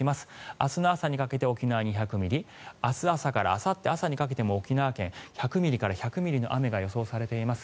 明日の朝にかけて沖縄２００ミリ明日朝からあさってにかけても沖縄県１００ミリから２００ミリの雨が予想されています。